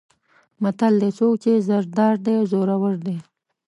متل دی: څوک چې زر دار دی زورور دی.